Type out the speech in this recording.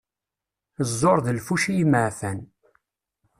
Ẓẓur d lfuci imeεfan.